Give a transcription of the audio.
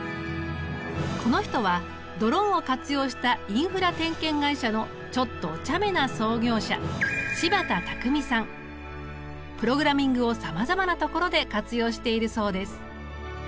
この人はドローンを活用したインフラ点検会社のちょっとおちゃめな創業者プログラミングをさまざまなところで活用しているそうです。